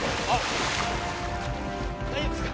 大丈夫ですか？